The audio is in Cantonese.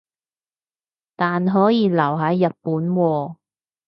但可以留係日本喎